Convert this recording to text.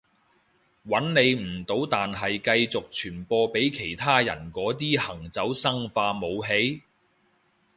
搵你唔到但係繼續傳播畀其他人嗰啲行走生化武器？